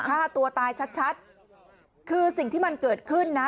ฆ่าตัวตายชัดชัดคือสิ่งที่มันเกิดขึ้นนะ